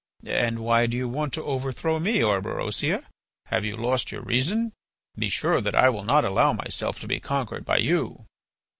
And why do you want to overthrow me, Orberosia? Have you lost your reason? Be sure that I will not allow myself to be conquered by you!"